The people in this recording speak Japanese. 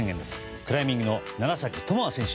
クライミングの楢崎智亜選手